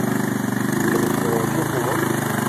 Vous le mettrez dans la voiture pour moi ?